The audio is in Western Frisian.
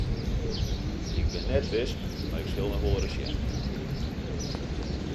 Ik bin net wis mar ik sil noch wolris sjen.